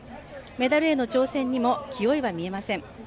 メダルへの挑戦にも気負いは見えません。